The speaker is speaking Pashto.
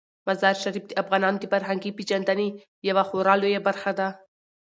مزارشریف د افغانانو د فرهنګي پیژندنې یوه خورا لویه برخه ده.